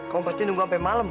kamu pasti nunggu sampai malam